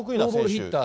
ヒッター。